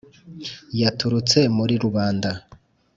yaturutse muri rubanda,